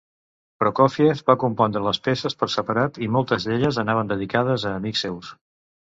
Prokófiev va compondre les peces per separat, i moltes d'elles anaven dedicades a amics seus.